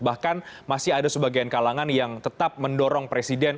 bahkan masih ada sebagian kalangan yang tetap mendorong presiden